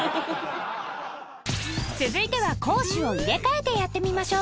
続いては攻守を入れ替えてやってみましょう